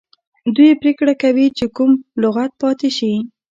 دوی پریکړه کوي چې کوم لغت پاتې شي.